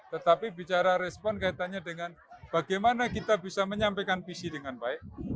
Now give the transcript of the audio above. tetapi bicara respon kaitannya dengan bagaimana kita bisa menyampaikan visi dengan baik